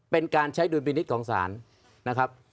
เป็นการใช้ดูดบินิตของสารนะครับ